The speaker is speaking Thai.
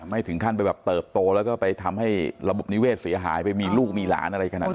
ไม่ถึงขั้นไปแบบเติบโตแล้วก็ไปทำให้ระบบนิเวศเสียหายไปมีลูกมีหลานอะไรขนาดนั้น